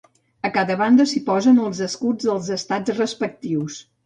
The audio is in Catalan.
A cada banda s'hi posen els escuts dels estats respectius.